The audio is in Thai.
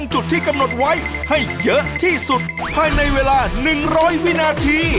เพราะว่าเขาจะต้องเหนื่อยมาก